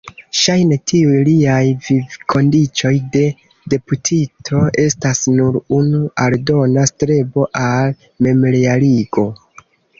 Ŝajne tiuj liaj vivkondiĉoj de deputito estas nur unu aldona strebo al memrealigo.